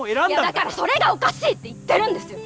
だからそれがおかしいって言ってるんです！